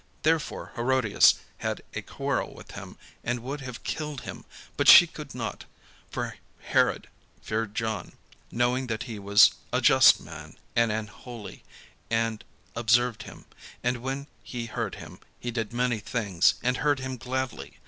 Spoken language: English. Therefore Herodias had a quarrel against him, and would have killed him; but she could not: for Herod feared John, knowing that he was a just man and an holy, and observed him; and when he heard him, he did many things, and heard him gladly.